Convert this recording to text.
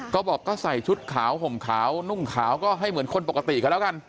ก็บอกก็ใส่ชุดขาวห่มขาวนุ่งขาวก็ให้เหมือนคนปกติกันแล้วกัน